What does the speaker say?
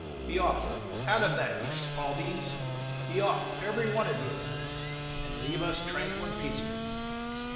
Be off out of that, ye spalpeens! be off, every one of yez, and leave us tranquil and paceable!"